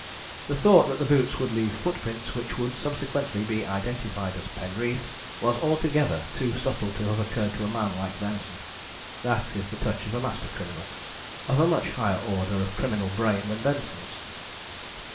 The thought that the boots would leave footprints which would subsequently be identified as Penreath's was altogether too subtle to have occurred to a man like Benson. That is the touch of a master criminal of a much higher order of criminal brain than Benson's.